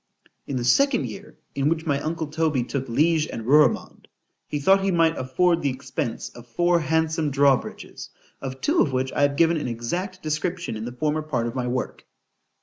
In the second year, in which my uncle Toby took Liege and Ruremond, he thought he might afford the expence of four handsome draw bridges; of two of which I have given an exact description in the former part of my work.